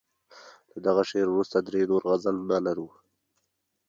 له دغه شعر وروسته درې نور غزلونه لرو.